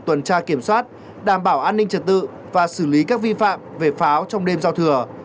tuần tra kiểm soát đảm bảo an ninh trật tự và xử lý các vi phạm về pháo trong đêm giao thừa